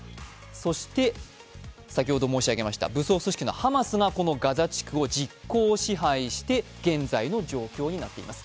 そして、武装組織のハマスがこのガザ地区を実効支配して現在の状況になっています。